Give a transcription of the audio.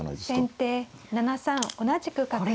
先手７三同じく角成。